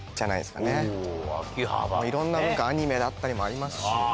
いろんな文化アニメだったりもありますし。